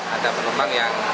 ada pengembang yang